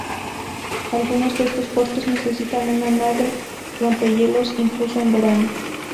Algunos de estos puertos necesitan una nave rompehielos incluso en verano.